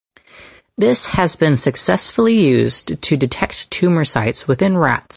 This has been successfully used to detect tumor sites within rats.